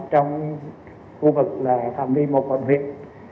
trong khu vực là thầm đi một quận huyện